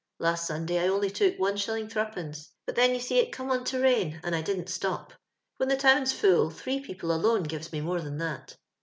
Last Sunday I only took l5. 3rf., but then, you see, it come on to min and I didn't stop. When the town's full three people alone gives mo more than that.